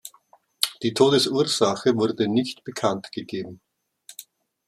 Die Todesursache wurde nicht bekanntgegeben.